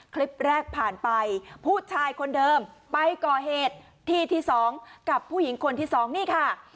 คลิปแรกผ่านไปผู้ชายคนเดิมไปก่อเหตุที่ที่๒กับผู้หญิงคนที่สองนี่ค่ะ